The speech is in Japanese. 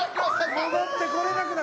戻ってこれなくなる！